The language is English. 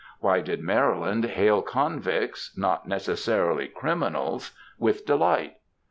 Why did Maryland hail convicts ŌĆö not necessarily criminals ŌĆö with delight